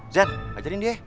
jen ajarin dia